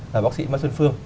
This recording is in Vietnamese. và bác sĩ mai xuân phương